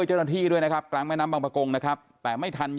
มานี้ทีเค้าจับยังไม่ค่อยทานมัน